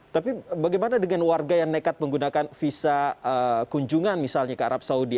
tapi bagaimana dengan warga yang nekat menggunakan visa kunjungan misalnya ke arab saudi